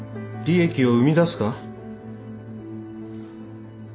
利益を生み出すか？